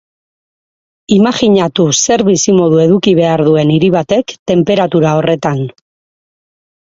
Imajinatu zer bizimodu eduki behar duen hiri batek tenperatura horretan.